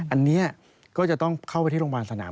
อันนี้ก็จะต้องเข้าไปที่โรงพยาบาลสนาม